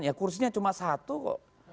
ya kursinya cuma satu kok